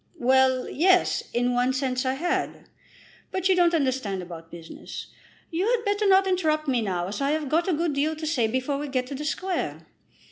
"Well; yes; in one sense I had; but you don't understand about business. You had better not interrupt me now as I have got a good deal to say before we get to the Square.